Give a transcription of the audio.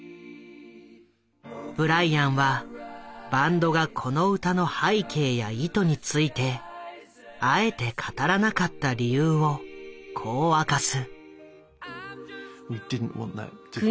ブライアンはバンドがこの歌の背景や意図についてあえて語らなかった理由をこう明かす。